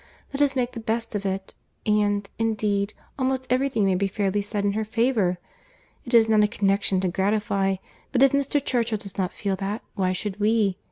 Let us make the best of it—and, indeed, almost every thing may be fairly said in her favour. It is not a connexion to gratify; but if Mr. Churchill does not feel that, why should we?